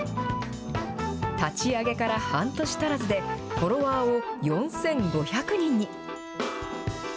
立ち上げから半年足らずで、フォロワーを４５００人に。